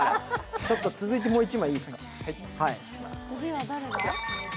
ちょっと続いてもう一枚いいですか？